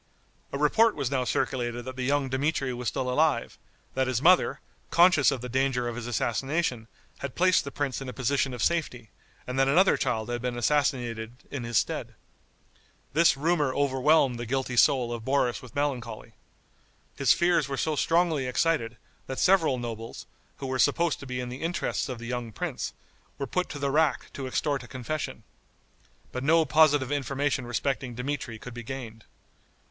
A report was now circulated that the young Dmitri was still alive, that his mother, conscious of the danger of his assassination, had placed the prince in a position of safety, and that another child had been assassinated in his stead. This rumor overwhelmed the guilty soul of Boris with melancholy. His fears were so strongly excited, that several nobles, who were supposed to be in the interests of the young prince, were put to the rack to extort a confession. But no positive information respecting Dmitri could be gained.